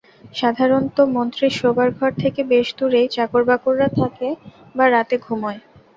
সাধারণত মন্ত্রীর শোবার ঘর থেকে বেশ দূরেই চাকরবাকররা থাকে বা রাতে ঘুমোয়।